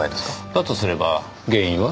だとすれば原因は？